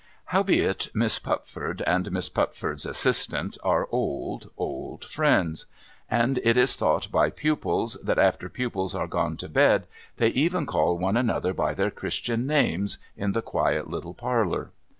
Howbeit, Miss Pupford and Miss Pupford's assistant are old, old friends. And it is thought by pupils that, after pupils are gone to bed, they even call one another by their christian names in the quiet little parlour.